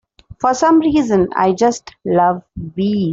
For some reason I just love bees.